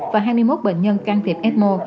và hai mươi một bệnh nhân can thiệp fmo